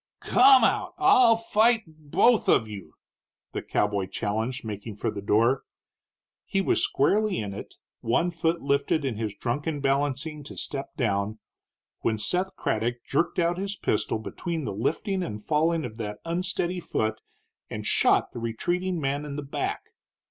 "Come out! I'll fight both of you!" the cowboy challenged, making for the door. He was squarely in it, one foot lifted in his drunken balancing to step down, when Seth Craddock jerked out his pistol between the lifting and the falling of that unsteady foot, and shot the retreating man in the back.